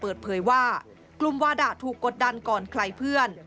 เปิดเผยว่ากลุ่มวาดะถูกกดดันก่อนใครเพื่อน